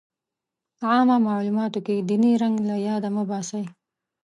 عامه معلوماتو کې ديني رنګ له ياده مه وباسئ.